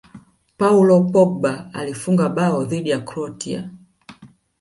paul pogba alifunga bao dhidi ya Croatia